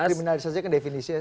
kriminalisasi kan definisinya